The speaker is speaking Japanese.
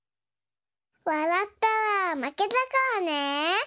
わらったらまけだからね。